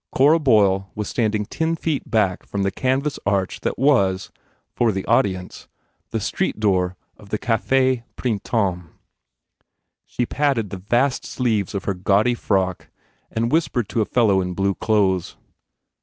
Cora Boyle was standing ten feet back from the canvas arch that was, for the audience, the street door of the Cafe Printemps. She patted the vast sleeves of her gaudy frock and whispered to a fellow in blue clothes.